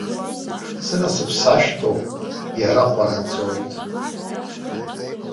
Сынасыԥ сашьҭоуп, иара кәараҵоит.